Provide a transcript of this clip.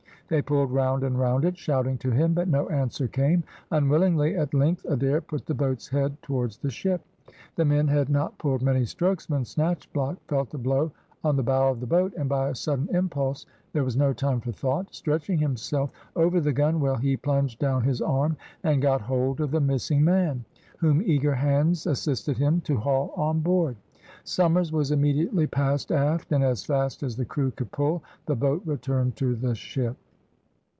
They pulled round and round it, shouting to him, but no answer came. Unwillingly, at length Adair put the boat's head towards the ship. The men had not pulled many strokes when Snatchblock felt a blow on the bow of the boat, and by a sudden impulse (there was no time for thought) stretching himself over the gunwale, he plunged down his arm and got hold of the missing man, whom eager hands assisted him to haul on board. Somers was immediately passed aft, and, as fast as the crew could pull, the boat returned to the ship.